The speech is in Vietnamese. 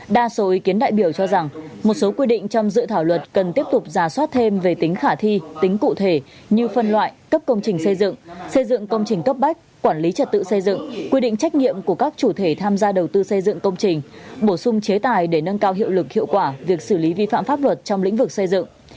đa số ý kiến đại biểu cho rằng một số quy định trong dự thảo luật cần tiếp tục giả soát thêm về tính khả thi tính cụ thể như phân loại cấp công trình xây dựng xây dựng công trình cấp bách quản lý trật tự xây dựng quy định trách nhiệm của các chủ thể tham gia đầu tư xây dựng công trình bổ sung chế tài để nâng cao hiệu lực hiệu quả việc xử lý vi phạm pháp luật trong lĩnh vực xây dựng